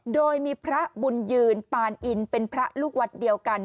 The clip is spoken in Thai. โดยมีพระบุญยืนปานอินเป็นพระลูกวัดเดียวกัน